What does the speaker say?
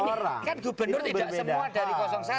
kan gubernur tidak semua dari satu mas dhani